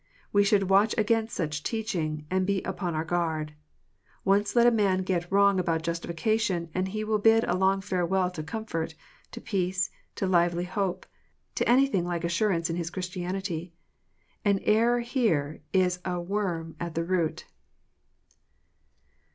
We should watch against such teaching, and be upon our guard. Once let a man get wrong about justification, and he will bid a long farewell to comfort, to peace, to lively hope, to anything like assurance in Ids Christianity. An error here is a worm at the root.